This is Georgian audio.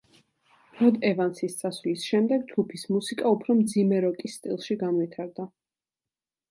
როდ ევანსის წასვლის შემდეგ ჯგუფის მუსიკა უფრო მძიმე როკის სტილში განვითარდა.